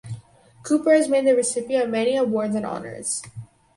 Kupper has been the recipient of the many awards and honors.